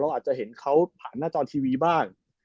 อาจจะเห็นเขาผ่านหน้าจอทีวีบ้าง